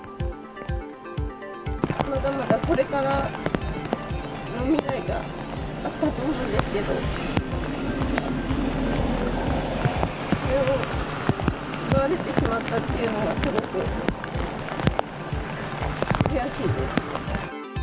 まだまだこれからの未来があったと思うんですけど、それを奪われてしまったっていうのが、すごく悔しいです。